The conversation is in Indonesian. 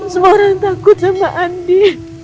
semua orang takut sama andi